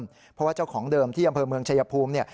เพราะว่าเจ้าของเดิมที่อำเภอเมืองชายภูมิเนี่ย